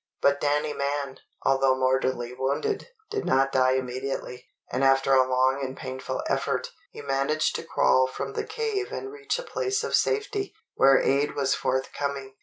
But Danny Mann, although mortally wounded, did not die immediately; and after a long and painful effort, he managed to crawl from the cave and reach a place of safety, where aid was forthcoming.